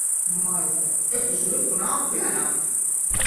Maita! Es taču liku nākt vienam!